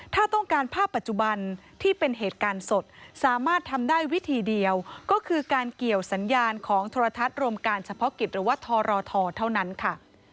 ถ้าต้องการภาพปัจจุบันที่เป็นเหตุการณ์สดสามารถทำได้วิธีเดียวก็คือการเกี่ยวสัญญาณของโทรทัศน์รวมการเฉพาะกิจหรือว่าทรทเท่านั้นค่ะ